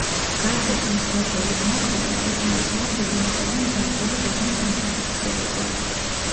გარდაქმნის რა ბოროტმოქმედად, იყენებს მას დედამიწაზე მზაკვრული გეგმების განსახორციელებლად.